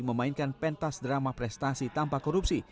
memainkan pentas drama prestasi tanpa korupsi